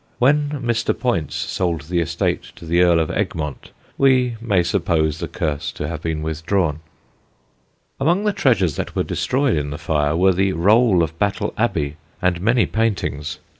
When Mr. Poyntz sold the estate to the Earl of Egmont, we may suppose the curse to have been withdrawn. [Sidenote: DR. JOHNSON AT COWDRAY] Among the treasures that were destroyed in the fire were the Roll of Battle Abbey and many paintings.